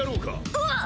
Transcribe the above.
うわっ！